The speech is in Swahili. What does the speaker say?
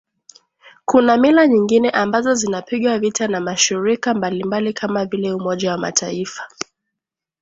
Kuna mila nyingine ambazo zinapigwa vita na mashirika mbalimbali kama vile Umoja wa Mataifa